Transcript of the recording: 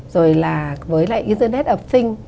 rồi là với lại internet of things